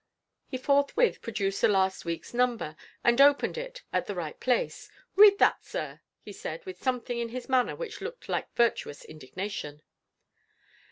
He forthwith produced the last week's number, and opened it at the right place. "Read that, sir," he said, with something in his manner which looked like virtuous indignation.